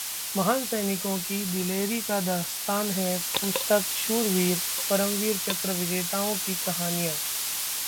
महान सैनिकों की दिलेरी का दास्तान है पुस्तक 'शूरवीर: परमवीर चक्र विजेताओं की कहानियां'